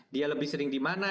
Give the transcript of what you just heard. dia lebih sering di mana